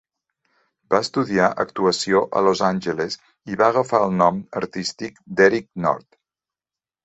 Va estudiar actuació a Los Àngeles i va agafar el nom artístic d'Eric Nord.